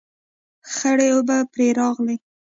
خړې اوبه پرې راغلې